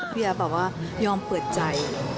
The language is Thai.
พี่แอฟแบบว่ายอมเปิดใจ